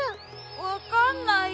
わかんないよ。